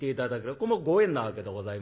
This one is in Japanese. これもご縁なわけでございます。